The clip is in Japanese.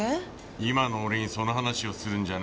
今の俺にその話をするんじゃない。